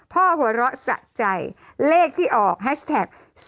หัวเราะสะใจเลขที่ออกแฮชแท็ก